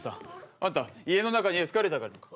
あんた家の中にエスカレーターがあるのか？